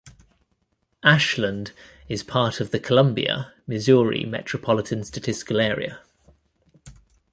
Ashland is part of the Columbia, Missouri Metropolitan Statistical Area.